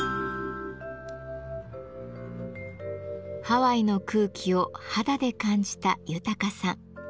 ハワイの空気を肌で感じた豊さん。